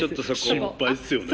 心配ですよね。